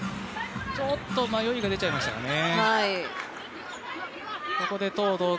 ちょっと迷いが出ちゃいましたかね。